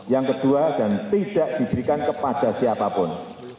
yang kedua dan tidak diberikan kepada siapapun